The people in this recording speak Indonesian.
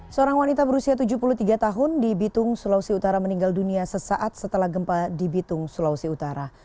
seorang wanita berusia tujuh puluh tiga tahun di bitung sulawesi utara meninggal dunia sesaat setelah gempa di bitung sulawesi utara